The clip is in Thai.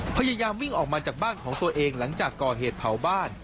พยายามวิ่งออกมาจากบ้านของตัวเองหลังจากก่อเหตุเผาบ้าน